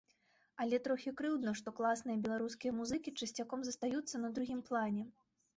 Але трохі крыўдна, што класныя беларускія музыкі часцяком застаюцца на другім плане.